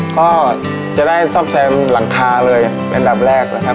ก็จะได้ซ่อมแซมหลังคาเลยเป็นอันดับแรกนะครับ